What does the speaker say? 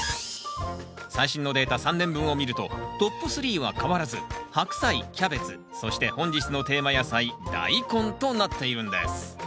最新のデータ３年分を見るとトップスリーは変わらずハクサイキャベツそして本日のテーマ野菜ダイコンとなっているんです